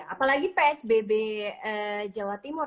apalagi psbb jawa timur